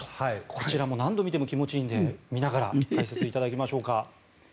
こちらも何度見ても気持ちいいので見ながら解説いただきましょうか。